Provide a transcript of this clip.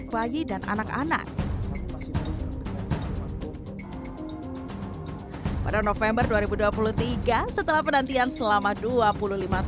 di lintas bapak jamai mata dua belas rokasi brutal melayung secara berramat berada di belakang poin penumpukan